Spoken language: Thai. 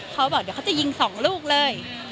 เขาบอกเดี๋ยวเขาจะยิง๒ลูกเลย